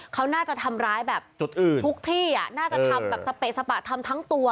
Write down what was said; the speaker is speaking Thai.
เขาน่าจะทำร้ายแบบทุกที่น่าจะทำแบบสเปกสปะทำทั้งตัว